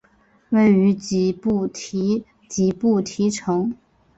位于吉布提吉布提城。